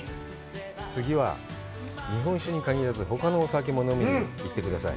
次は日本酒に限らず、ほかのお酒も飲みに行ってください。